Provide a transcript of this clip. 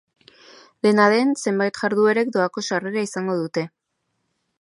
Dena den, zenbait jarduerek doako sarrera izango dute.